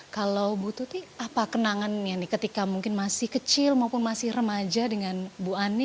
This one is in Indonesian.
kalau bu tuti apa kenangannya nih ketika mungkin masih kecil maupun masih remaja dengan bu ani